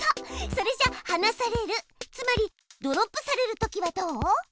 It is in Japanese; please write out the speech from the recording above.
それじゃはなされるつまりドロップされるときはどう？